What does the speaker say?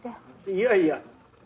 いやいや。